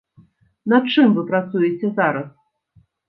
Над чым вы працуеце зараз?